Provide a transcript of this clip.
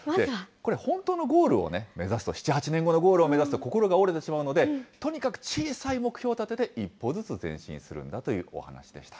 本当のゴールを目指すと７、８年後のゴールを目指すと心が折れてしまうので、とにかく小さい目標を立てて、一歩ずつ前進するんだというお話でした。